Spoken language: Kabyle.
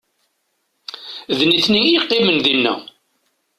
D nitni i yeqqimen dinna.